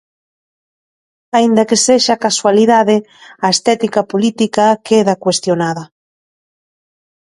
Aínda que sexa casualidade, a estética política queda cuestionada.